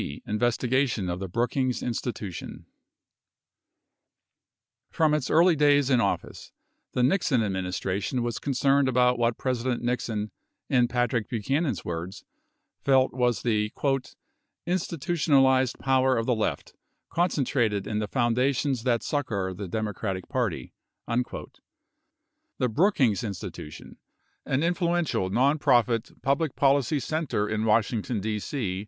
C. Investigation of the Brookings Institution From its early days in office, the Nixon administration was con cerned about what President Nixon, in Patrick Buchanan's words, felt was the "institutionalized power of the left concentrated in the foundations that succor the Democratic Party." 24 The Brookings In stitution, an influential nonprofit public policy center in Washington, D.C.